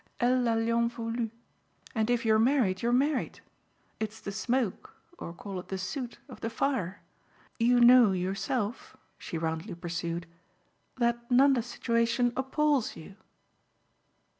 Elle l'a lien voulu, and if you're married you're married; it's the smoke or call it the soot! of the fire. You know, yourself," she roundly pursued, "that Nanda's situation appals you."